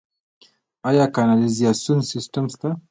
آیا کانالیزاسیون سیستم شته؟